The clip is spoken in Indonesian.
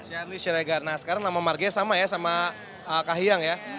shane siregar nah sekarang nama margia sama ya sama kahiyang ya